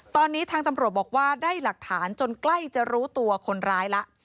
ตอนนี้ทางตำรวจบอกว่าได้หลักฐานจนใกล้จะรู้ตัวคนร้ายแล้ว